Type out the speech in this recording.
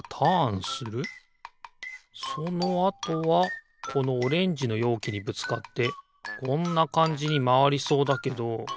そのあとはこのオレンジのようきにぶつかってこんなかんじにまわりそうだけど。